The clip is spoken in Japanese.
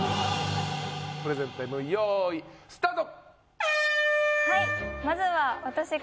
プレゼンタイム用意スタート！